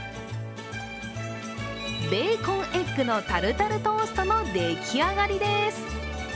ベーコンエッグのタルタルトーストのでき上がりです。